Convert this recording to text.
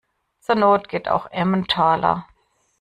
Zur Not geht auch Emmentaler.